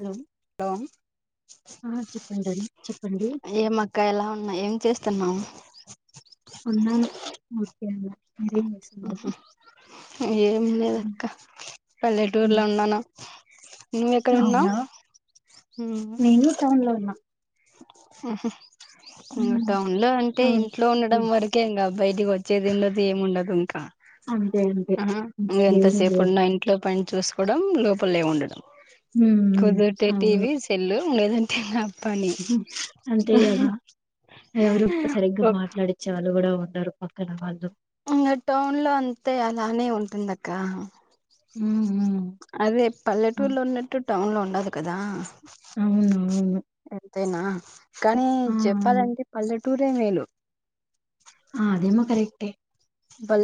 Hello hello ఆ చెప్పండండి చెప్పండి ఏమక్క ఎలా ఉన్నా ఏం చేస్తున్నావు ఉన్నాను ఊరికే అలా మీ హు ఏమి ఉమ్, లేదక్క పల్లెటూర్లో ఉమ్. ఉన్నాను నువ్వెక్కడున్నావ్ అవునా నేను టౌన్ లో ఉన్నా మ్ హూ ఇంగ ఉమ్, టౌన్ లో అంటే అవును ఇంట్లో ఉండడం ఉమ్, వరకే ఇంక బయిటికి వచ్చేది ఉండదు ఏమి ఉండదు ఆ అంతే ఇంగ అంతే ఏమి ఎంతసేపు లేదు ఉన్నా ఇంట్లో పని చూసుకోడం లోపలే ఉండడం ఉమ్, కుదిరితే అవును టీవీ సెల్లు లేదంటే నా పని అంతే గదా ఎవరు సరిగ్గా మాట్లాడిచ్చే వాళ్ళు కూడా ఉండరు పక్కన వాళ్ళు ఇంగ టౌన్ లో అంతే అలానే ఉంటుందక్క ఉహూ అదే పల్లెటూరులో ఉన్నట్టు టౌన్ లో ఉండదు కదా అవును అవును అంతేనా కానీ ఆ చెప్పాలంటే పల్లెటూరే మేలు ఆ అదీను కరెక్టే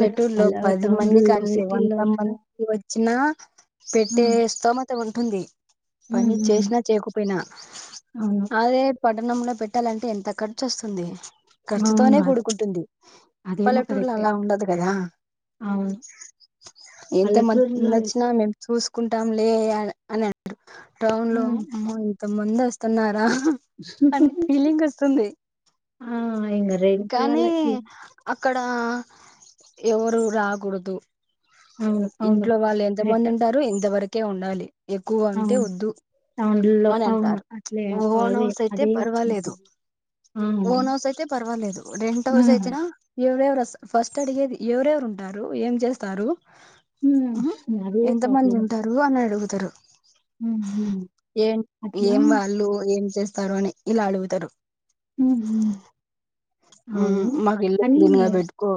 బట్ పల్లె పది మందికి టౌన్లో అని సిటీల్లో వంట అంతా మంచిగ వచ్చినా పెట్టే ఉమ్, స్తోమత కుడ ఉంది ఉమ్, పని ఉమ్, చేసినా చేయకపోయినా అవును అదే పటణంలో పెట్టాలంటే ఎంత ఖర్చోస్తుంది ఖర్చుతోనే అవును అదే కూడుకుంటుంది అదేమో పల్లెటూరు కరెక్టే అలా ఉండదు కదా అవును పల్లెటూరులో ఎంతమందొచ్చిన మేం చూసుకుంటాం లే అని అంటారు టౌన్ లో హ్మ్ అమ్మ ఇంత మందొస్తున్నారా అని ఫీలింగ్ వస్తుంది ఆ ఇంగ రెంట్ కానీ వాళ్ళకి ఆ అక్కడ ఎవరు రాకూడదు అవును అవును ఇంట్లో వాళ్ళు ఎంత రెట్ట మంది ఉంటారు ఇంతవరకే ఉండాలి ఎక్కువ ఉంటే అవును వద్దు టౌన్లో అని అవును అంటారు అట్లే ఓన్ అదే హౌస్ అయితే అదే వచ్చింది పర్వాలేదు అవును ఓన్ హౌస్ అయితే పర్వాలేదు రెంట్ హౌస్ హ్మ్ అయితేనా ఎవర ఫస్ట్ అడిగేది ఎవరెవరు ఉంటారు ఏం చేస్తారు హ్మ్ అదే ఎంత మంది ప్రాబ్లమే ఉంటారు అని అడుగుతారు హ్మ్ హ్మ్ ఏం అట్లా ఏం వాళ్ళు ఏం చేస్తారు అని ఇలా అడుగుతరు హ్మ్ హ్మ్ హ్మ్ అవును మాకు ఇళ్ళు కానీ క్లీన్గా పేటుకో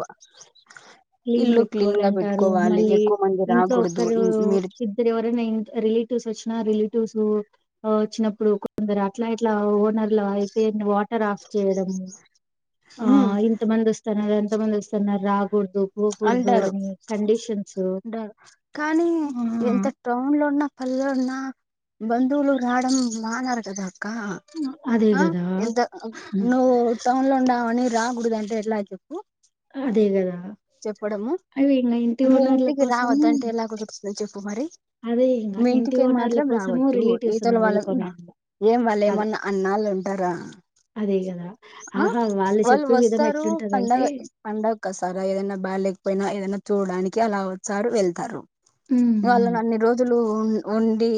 క్లీన్ పెట్టుకోవాలంటారు మళ్ళీ ఎక్కువ మంది ఇంట్లో రాకూడదు ఒక్కరు ఇన్- మీరు ఇద్దరు ఎవరైనా రీ రిలేటివ్స్ వచ్చిన రిలేటివ్స్ వచ్చినప్పుడు కొందరు అట్లా ఇట్లా ఓ ఇట్లా అయితే వాటర్ ఆఫ్ చేయడం ఆ హ్మ్ ఇంత మంది వస్తున్నారు అంతమంది వస్తున్నారు రాకూడదు పోకూడదు అని కండిషన్ ఉండారు కానీ ఎంత టౌన్ లో ఉన్నా పల్లెలో ఉన్నా బంధువులు రాడం మానరు కదా కహా అదే ఆ కదా ఎంత నువ్వు టౌన్ లో ఉండావని రాముడుదంటే ఎట్లా చెప్పు అదే కదా చెప్పడము అవి ఇంగ ఇంటి మీ ఓనర్ల ఇంటికి కోసము రావద్దంటే ఎలా కుదురుతది చెప్ అదే ఇంగ మీ ఇంటి ఇంటికే ఓనర్ల మాత్రం కోసము రావచ్చు రిలేటివ్స్ ను ఇవతల వాళ్ళ వదులుకొని ఏం వాళ్ళేమన్నా అన్నాళ్ళు ఉంటారా అదేలే ఆ వాళ్ళు వస్తారు ఎట్లుంటదంటే పండగ పండకొస్తారూ ఏదైనా బాలేకపోయినా ఏదైనా చూడడానికి అలా వస్తారు వెళ్తారు హ్మ్. వాళ్ళని హ్మ్. అన్ని రోజులు ఉండి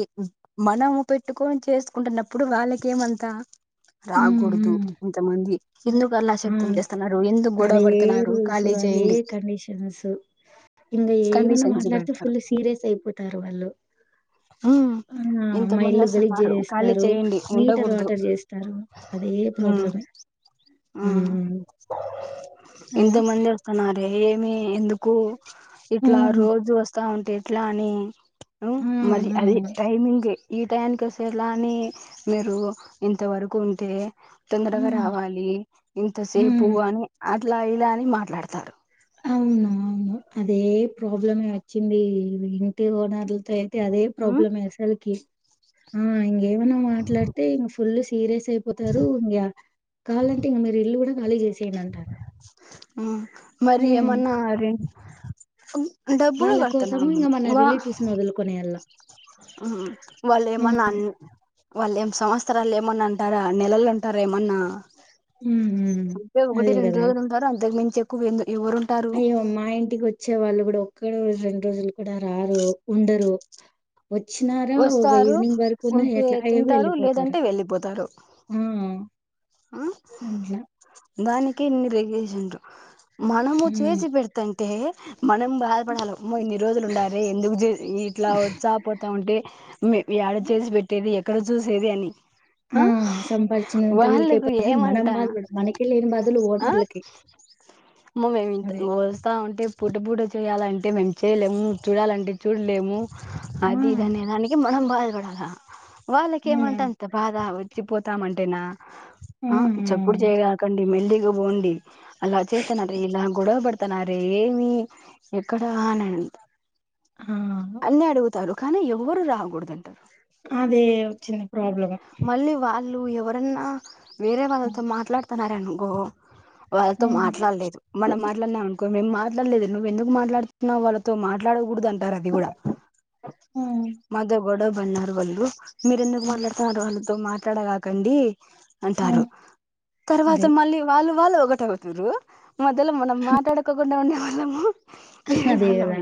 మనం పెట్టుకొని చేసుకుంటున్నప్పుడు వాళ్ళకేమంతా హ్మ్. రాగూడదు హ్మ్. ఇంత మంది అదే ఎందుకు అలా శబ్దం అవును చేస్తన్నారు ఎందుకు గొడవ అదే పడుతున్నారు రూల్స్ ఖాళీ జేయండి ఇంకా ఏమన్నా మాట్లాడితే ఫుల్ సీరియస్ అయిపోతారు వాళ్ళు ఆ మా ఇంతమంది ఇల్లు గలీజ్ వస్తున్నారు ఖాళీ చేసేస్తారు చేయండి నీటర్ వాటర్ చేస్తారు అదే ఆ ప్రాబ్లమే ఆ ఉమ్ ఇంత అలా మంది వస్తున్నారే ఏమి ఎందుకు ఇట్లా ఉమ్ రోజు వస్తా ఉం డేట్లా అని ఉ ఉమ్ మరి అది ఉమ్ టైమింగ్ ఎ ఈ టయానికి వస్తే ఎట్లా అని మీరు ఇంతవరకు ఉంటే తొందరగా ఉమ్ రావాలి ఇంతసేపు ఉమ్ అని అట్లా ఇలా అని మాట్లాడతారు అవును అవును అదే ప్రాబ్లమే వచ్చింది ఇంటి ఓనర్లతో అదే ప్రాబ్లం అసలకి ఇంకేమన్నా మాట్లాడితే ఫుల్ సీరియస్ అయిపోతారు ఇంకా కాలంటే ఇక మీరు ఇల్లు కూడా ఖాళీ చేసేయండి అంటారు మరి హ్మ్. ఏమన్నా అరీ డబ్బులు వాళ్ళ కోసం కడతున్నాం మనం ఇంక మన వా రిలేటివ్స్ ని వదులుకునేయాల ఆ వాళ్లేమన్నా అన్ వాళ్ళు ఏమ సంవత్సరాలు ఏమన్నా అంటారా నెలలుంటారా ఏమన్నా ఉమ్ వుంటే ఒకటి అదే రెండు కదా రోజులు ఉంటారు అంతకు మించి ఎక్కువందు అయ్యో అమ్మా ఇంటికి వచ్చి వచ్చే వాళ్ళు కూడా ఒక్క రోజు రెండు రోజులు కూడా రారు ఉండరు వచ్చినారా ఒక వస్తారు ఈవినింగ్ వరకు ఉన్న ఉంటే ఎట్లా అయ్యో తింటారు వెళ్ళిపోతారు లేదంటే వెళ్ళిపోతారు ఆ ఆ [unintelligible] దానికి ఇన్ని రేగేషన్ మనము ఉమ్ చేసి పెడతంటే మనం బాధపడాలి అమ్మో ఇన్ని రోజులు ఉండాలే ఎందుకు ఇట్లా వచ్చా పోతా ఉంటే ఎడ చేసి పెట్టేది ఎక్కడ చూసేది ఆ సంపాదించినంత వీళ్ళకి వాళ్ళు అయిపోతది మనం ఏమంటా బాధపడం మనకే లేని బాధలు ఆ ఓనర్లకి అదే మేమిస్తా అంటే పూట పూట చేయాలంటే మేము చేయలేము చూడాలంటే చూడలేము ఆ అది ఇది అనేదానికి మనం బాధపడాలా వాళ్లకి ఏమంట ఉమ్ అంత బాధ చచ్చిపోతామంటేనా ఆ చప్పుడు ఉమ్ చేయగకండి మెల్లిగా పోండి అలా చేస్తానార ఇలా గొడవ బడ చెప్తున్నారు ఏమి ఎక్కడ అని ఆ అన్ని అడుగుతారు కానీ ఎవరు రాగుడదని అదే వచ్చింది ప్రాబ్లం మళ్ళీ వాళ్ళు ఎవరన్నా వేరే వాళ్ళతో మాట్లాడతన్నారనుకో వాళ్ళతో ఉమ్ మాట్లాడలేదు మనం మాట్లాడనామ అనుకో మేమ్ మళ్ళీ ఇది నువ్వు ఎందుకు మాట్లాడుతున్నా వాళ్ళతో మాట్లాడకూడదు అ అది కూడా ఉమ్ మాతో గొడవపడినారు వాళ్ళు మీరు ఎందుకు మాట్లాడుతున్నారు వాళ్ళతో మాట్లాడగాకండి అంటారు ఉమ్ తర్వాత అదే మళ్ళీ వాళ్ళు వాళ్ళు ఒకటవుతారు మధ్యలో మనం మాట్లాడుకోకుండా ఉండే వాళ్ళము అదే కదా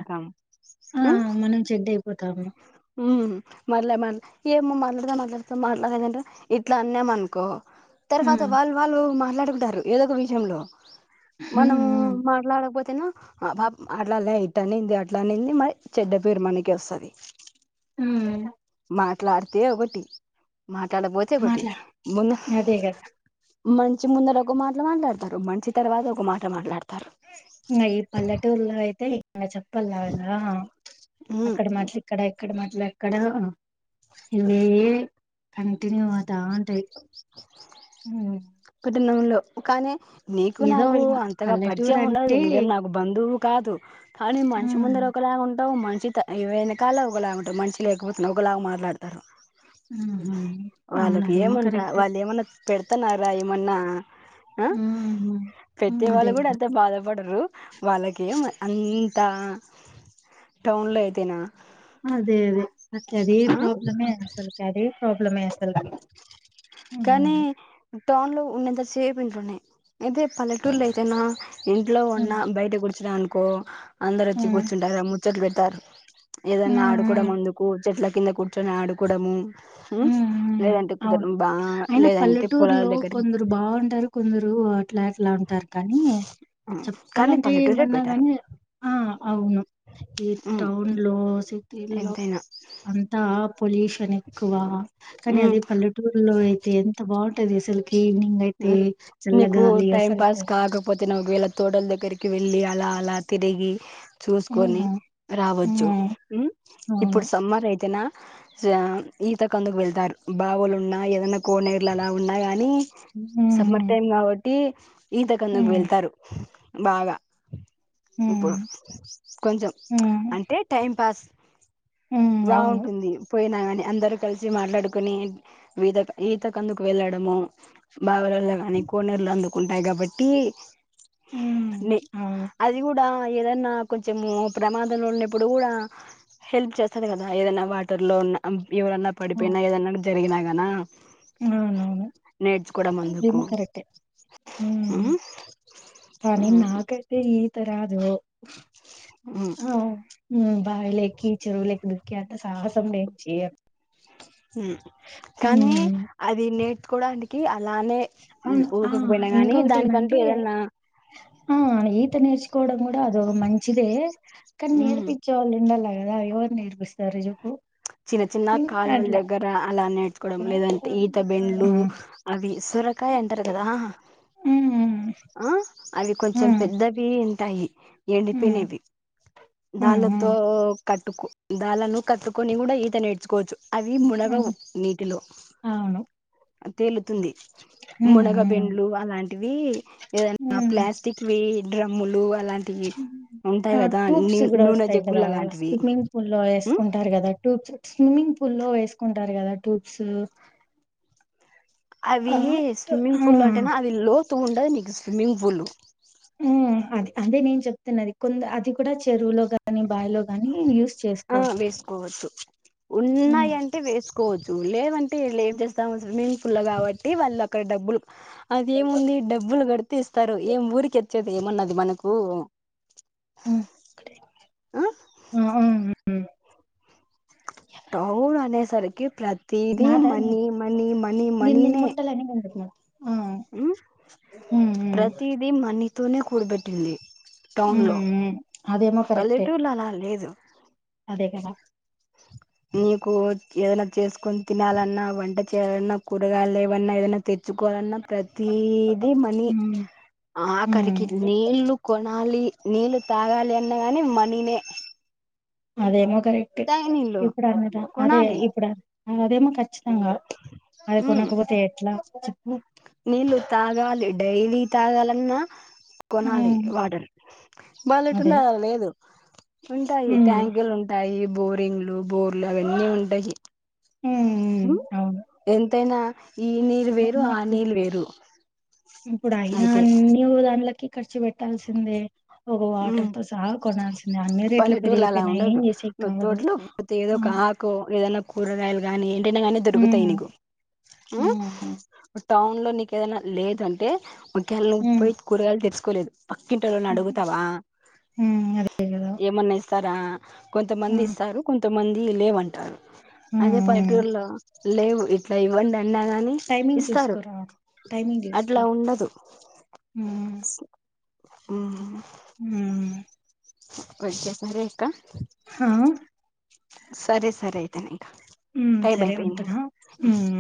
ఆ మనం చెడ్డ [unintelligible] అయిపోతాము మళ్లే మళ్లే ఏమ మట్లాడితే మట్లాడుత మాట్లాడదంటే ఇట్లా అన్నామ అనుకో తర్వాత ఉమ్ వాళ్ళు వాళ్ళు మాట్లాడుకుంటారు ఏదో ఒక విషయంలో ఉమ్ మనం ఉమ్ మాట్లాడకపోతే తిను అట్లా ఇట్ అనింది అట్లానింది మరి చెడ్డ పేరు మనకే వస్తుది ఆ మాట్లాడితే ఒకటి మాట్లాడకపోతే ఒకటి మాట్లా ముందు అదే కదా మంచి ముందర ఒక మాట మాట్లాడతారు మంచి తర్వాత ఒక మాట మాట్లాడతారు ఇంగ ఈ పల్లెటూరులో [unintelligible] హ్మ్ ఇక్కడ మాటలు అక్కడ ఇవే కంటిన్యూ అయి దా ఉంటాయి ఉ ఉండవు కానీ నీకు ఏదో నాకు ఇంగ అంతగా పల్లెటూరు పరిచయం ఉండదు అంటే నువ్వేం నాకు బంధువు కాదు కానీ మనిషి ఉమ్ ముందర ఒకలాగా ఉంటావు మనిషి చిత వెనకాల ఒకలాగా ఉంటరు మంచి లేకపో ఒకలాగా మాట్లాడతారు హు హుం వాళ్ళకి ఏమంటా వాళ్ళు ఏమన్న పెడతన్నారా ఏమన్నా ఆ ఉహు పెట్టే వాళ్ళు అదే కూడా కదా అంత బాధపడ. రు వాళ్ళకే అంత టౌన్ లో అయితేనా అదే అదే అక అదే ఆ ప్రాబ్లమే అసలు కదే ప్రాబ్లమే అసలు కానీ టౌన్ లో ఉన్నంతసేపు ఇంట్లోనే అయితే పల్లెటూర్లో అయితేనా. ఇంట్లో ఉన్న ఉమ్ బయట కూర్చునామ్ అనుకో అందరు వచ్చి ఉమ్ కూర్చుంటా రము ముచ్చట్లు పెడ్తార్ ఏదన్నా ఉమ్ ఉమ్ ఆడుకోవడం అందుకు చెట్ల కింద కూర్చొని ఆడుకోవడము. ఉమ్ ఉమ్ లేదంటే అవును కుదర బా అయినా లేదంటే పొలాల పల్లెటూరులో దగ్గరికి కొందరు బాగుంటారు కొందరు అట్లా అట్లా టారు కానీ కానీ చెప్పాలంటే పల్లెటూరే ఏమన్నా బెటర్ కాని ఆ అవును ఈ ఉమ్ టౌన్ లో, సిటీ లో ఎంతైనా అంతా. పొల్యూషన్ ఎక్కువ కానీ ఉమ్ అదే పల్లెటూరులో అయితే ఎంత బాగుంటది, అసలుకి ఈవినింగ్ అయితే ఉమ్ నీకు చల్లగాలి. టైం అసలుకు. పాస్ కాకపోతేనో ఒకవేళ తోటల దగ్గరికి వెళ్ళి అలా అలా తిరిగి చూసుకొని హ్మ్. రావచ్చు హ్మ్. హు అవును. ఇప్పుడు సమ్మర్ అయితేనా ఈత కందుకు వెళ్తారు బావులు ఉన్నా, ఏదన్నా కోనేరులు అలా ఉన్నా కానీ. సమర్ హ్మ్. టైం కాబట్టి ఈత కన్నాకు హ్మ్. వెళ్తారు బాగా ఇప్పుడు హ్మ్. కొంచెం హ్మ్. అంటే టైం పాస్ హ్మ్. అవును. బాగుంటుంది పోయినా కాని అందరుకలిసి మాట్లాడుకుని ఈత ఈత కందుకు వెళ్ళడము బావలల్లో కానీ కోనేరుల అందు ఉంటాయి కాబట్టి హ్మ్. నే అవును. అది కూడా ఆ ఏదన్నా కొంచెము ప్రమాదంలో ఉన్నప్పుడు గూడా హెల్ప్ చేస్తది కదా ఏదన్నా వాటర్ లో ఉన్నా అం ఎవరన్నా హ్మ్. పడిపోయినా ఏదన్నా జరిగినా గానా అవునవును అందుకు ఇదేమో కరెక్టే ఊ ఉమ్ కానీ ఉమ్ నాకైతే ఈత రాదు ఊ ఉమ్ బావిలేకి చెరువులేకి దూకే అంత సాహసం నేను చేయను ఉమ్ హ్మ్ కానీ అది కోవడానికి ఆ అ ఆ ఇంకొకటి దానికంటూ ఏమంటే ఏదన్నా ఆ ఈత నేర్చు కోవడం కూడా అదోక మంచిదే కానీ ఉమ్ నేర్పిచ్చేవాళ్ళు ఉండాల కదా ఎవరు నేర్పిస్తారు జెప్పు చిన్న చిన్న కాలువల దగ్గర అలా నే తుకోవడం ఆ లేదంటే ఈత బెండ్లు అవి సొరకాయ అంటారు కదా హా హ్మ్ హ్మ్ ఆ అవి కొంచెం హ్మ్ పెద్దవి ఉంటాయి ఎండిపోయినది హ్మ్ దాలతో హ్మ్ కట్టుకు దాలను కట్టు కోని కూడా ఈత నేర్చుకోవచ్చు అవి మునగవు హ్మ్ నీటిలో అవును తేలుతుంది హ్మ్ హ్మ్ మునగబెండ్లు అలాంటివి ఏదన్నా హ్మ్ ప్లాస్టిక్ వి డ్ర మ్ములు అలాం ఆ ట్యూబ్స్ కూడా నూనె వస్తాయి జగ్గులు కదా అలాంటివి స్విమ్మింగ్ పూల్ లో ఉమ్, ఏసుకుంటారు కదా ట్యూబ్స్ స్విమ్మింగ్ పూల్ లో ఏసుకుంటారు కదా ట్యూబ్సు అవి ఆ స్విమ్మింగ్ పూల్ అంటేనా అది లోతు ఉండదు నీకు స్విమ్మింగ్ పూల్ ఊ అది అదే నేను చెప్తున్నది కొంద్ అది కూడా చెరువులో గాని బాయిలో గానీ యూస్ ఆ చేసుకోవచ్చు వేసుకోవదు ఉమ్. ఉన్నాయింటే వేసుకో కోవొదు లేవంటే ఏం చేస్తాము స్విమ్మింగ్ పూల్ కాబట్టి వాళ్ళు అక్కడ డబ్బులు అది ఏముంది డబ్బులు కడితే ఇస్తారు ఏం ఊరికే ఇచ్చేది ఏమన్నది మనకు ఆ మ్ టౌన్ [unintelligible] ప్రతిదీ నాదా మనీ నీదా మనీ మనీ దీన్ దీన్ మనీనే ముట్టలని కంటున్నా ప్రతిది మని తోనే కూడబెట్టింది టౌన్ లో అదేమో కరెక్టే పల్లెటూర్లో అలా లేదు అదే కదా నీకు ఏదనా చేసుకొని తినాలన్నా వంట చేయలన్నా కూరగాయలు ఏవన్నా ఏదైనా తెచ్చుకోవాలన్నా ప్రతి ప్రతిదీ మని ఉమ్, ఆఖరికి ఉమ్. నీళ్లు కోన కొనాలి నీళ్ళు తాగాలి అన్నగాని మనీనే అదేమా కరెక్ట్ తాగే నీళ్లు ఇప్పుడన్నద అదే కొనాలి ఇప్పుడ అదిమో ఖచ్చి నిజంగా అది కొన్నాకపోతే ఏట్లా నీళ్ళు తాగాలి డైలీ తాగాలన్నా కొనాలి ఉమ్ వాటర్ అదే [unintelligible] లేదు ఉంటాయి ఉమ్ ట్యాంకులు ఉంటాయి బోర్ బింగ్లూ బోర్లు అవన్నీ ఉంటాయి ఉమ్ ఉమ్, అవును ఎంతైనా ఈ నీరు వేరు అయినా ఆ ఇప్పుడు నీల్ వేరు ఇప్పుడు అయినా అయితే అన్ని కూడా అండ్లకే ఖర్చు పెట్టాల్సిందే ఒక వాటర్ ఉమ్ తో సహా కొనాల్సిందే అన్ని రేట్లు పెరిగియిపోయినాయి ఏం చేసే నొత్తట్లో ప్రతి ఏదో ఒక ఆకు ఏదన్న కూరగాయలు గానీ ఏంటనా గానీ దొరుకుతాయి ఉమ్ నీకు ఉమ్ ఊ టౌన్ లో నీకు ఏదైనా లేదంటే ఒకేళ నువ్వు ఉమ్ పోయి కూరగాయలు తెచ్చుకోలేదు పకింటోలని ఉమ్ అడుగుతావా ఉమ్, అదే కదా ఏమన్న ఇస్తారా కొంతమంది ఉమ్ ఇస్తారు కొంతమంది లేవంటారు ఉమ్ అదే ఉమ్. పల్లెటూరులో లేవు ఇట్లా ఇవ్వండి అంటే అన్నాగాని టైమింగ్ ఇస్తారు చూసుకోరా అట్లా ఉండదు ఊ ఉ ఉ వచ్చేసారా ఇంక హా సరే సరే అయితే నింకా హ్మ్. టైమ్ సరే అయిపోయింది ఉంటున్నా. ఇంక హ్మ్.